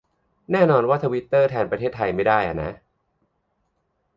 แน่นอนว่าทวิตเตอร์แทนประเทศไทยไม่ได้อะนะ